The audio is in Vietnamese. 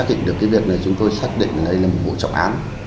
khi xác định được việc này chúng tôi xác định đây là một vụ trọng án